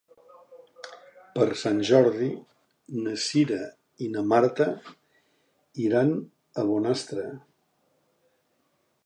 Per Sant Jordi na Cira i na Marta iran a Bonastre.